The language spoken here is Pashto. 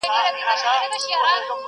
ستا شهپر دي په اسمان کي بریالی وي،